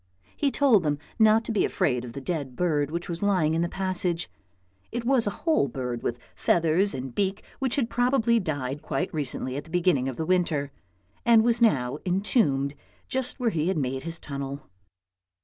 He told them not to be afraid of the dead bird which was lying in the passage. It was a whole bird with feathers and beak which had probably died quite recently at the beginning of the winter, and was now entombed just where he had made his tunnel.